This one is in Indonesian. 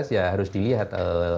ya harus dilihat